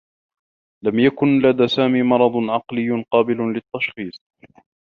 لم يكن لدى سامي مرض عقلي قابل للتّشخيص.